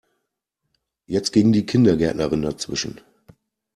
Jetzt ging die Kindergärtnerin dazwischen.